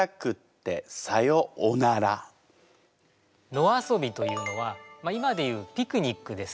「野遊び」というのは今で言うピクニックですとか